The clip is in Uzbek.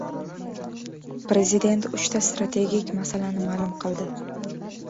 Prezident uchta strategik masalani ma’lum qildi